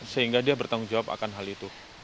sehingga dia bertanggung jawab akan hal itu